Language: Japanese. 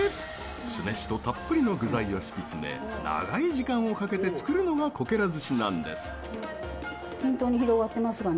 酢飯とたっぷりの具材を敷き詰め長い時間をかけて作るのがこけら寿司なんです！